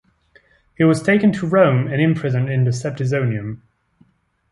He was taken to Rome and imprisoned in the Septizonium.